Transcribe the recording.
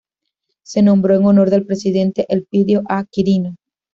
Se nombró en honor del Presidente Elpidio A. Quirino.